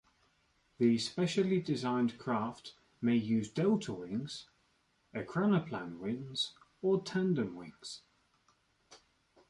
These specially designed craft may use delta wings, ekranoplan wings or tandem wings.